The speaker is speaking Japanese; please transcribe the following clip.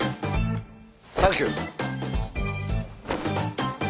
サンキュー！